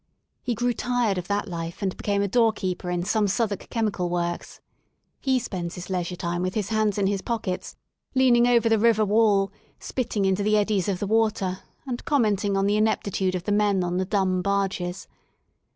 He grew tired of that life and became a door l keeper in some Southwark chemical works. He spends f his leisure time with his hands in his pockets, leaning j over the river wall, spitting into the eddies of the water I and commenting on the ineptitude of the men on the I ^ dumb barges.